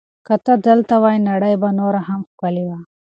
که ته دلته وای، نړۍ به نوره هم ښکلې وه.